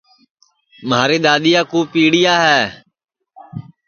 مھاری دؔادؔیا کُو پیݪیا ہے